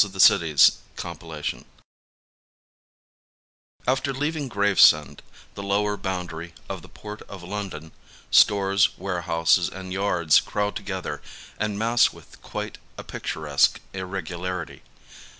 A DAY IN LONDON THiOPHILE GAVTIEK AFTER leaving Gravesend, — the lower boundary of the Port of London — stores, warehouses and yards crowd together and mass with quite a picturesque irregularity.